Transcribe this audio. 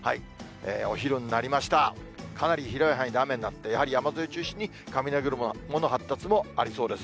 お昼になりました、かなり広い範囲で雨になって、やはり山沿い中心に、雷雲の発達もありそうです。